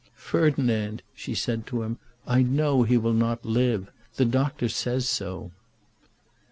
"Ferdinand," she said to him, "I know he will not live. The Doctor says so."